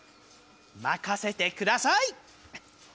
任せてください！